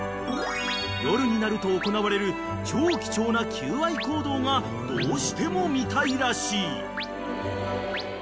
［夜になると行われる超貴重な求愛行動がどうしても見たいらしい］